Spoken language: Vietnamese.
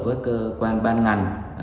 với cơ quan ban ngành